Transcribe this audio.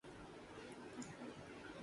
پاکستان میں گاڑیوں کی طلب میں مسلسل اضافہ